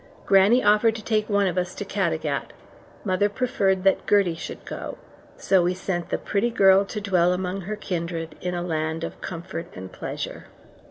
Grannie offered to take one of us to Caddagat; mother preferred that Gertie should go. So we sent the pretty girl to dwell among her kindred in a land of comfort and pleasure.